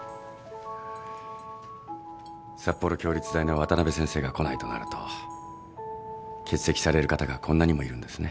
札幌共立大の渡辺先生が来ないとなると欠席される方がこんなにもいるんですね。